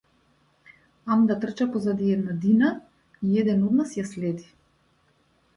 Аманда трча позади една дина и еден од нас ја следи.